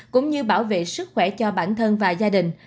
cũng như bảo vệ sức khỏe cho bản thân và gia đình